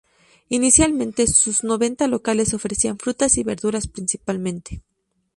Inicialmente, sus noventa locales ofrecían frutas y verduras principalmente.